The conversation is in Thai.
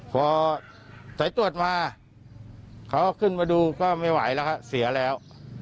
พอสายตรวจมาเขาขึ้นมาดูก็ไม่ไหวแล้วครับเสียแล้ว